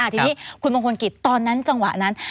ทีนี้คุณมงคลกิจตอนนั้นจังหวะนั้น